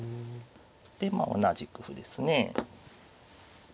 でまあ同じく歩ですね。